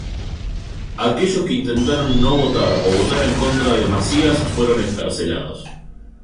Aquellos que intentaron no votar o votar en contra de Macías fueron encarcelados.